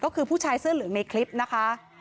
ก็คือผู้ชายเสื้อเหลืองในคลิปนะคะ